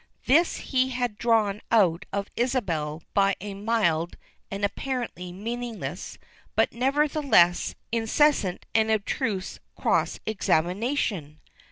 This he had drawn out of Isabel by a mild and apparently meaningless but nevertheless incessant and abstruse cross examination.